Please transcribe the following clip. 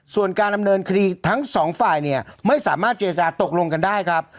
ส่วนการดำเนินคดีทั้งสองฝ่ายเนี่ยไม่สามารถเจรจาตกลงกันได้ครับ